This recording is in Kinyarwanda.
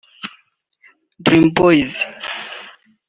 Dream boys